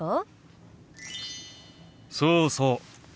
そうそう。